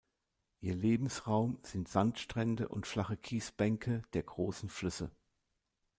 Ihr Lebensraum sind Sandstrände und flache Kiesbänke der großen Flüsse.